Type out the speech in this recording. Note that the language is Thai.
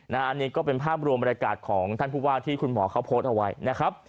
อันนี้ก็เป็นภาพรวมบรรยากาศของท่านผู้ว่าที่คุณหมอเขาโพสต์เอาไว้นะครับ